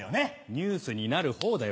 ニュースになるほうだよ